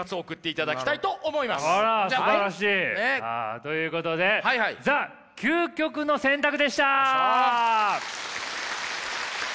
ということでザ・究極の選択でした！